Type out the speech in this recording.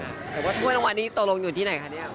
แต่ว่าถ้วยรางวัลนี้ตกลงอยู่ที่ไหนคะเนี่ย